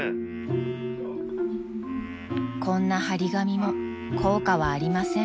［こんな張り紙も効果はありません］